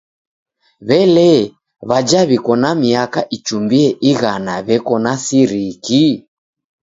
W'elee, w'aja w'iko na miaka ichumbie ighana w'eko na siriki?